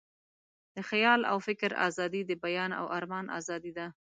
د خیال او فکر آزادي، د بیان او آرمان آزادي ده.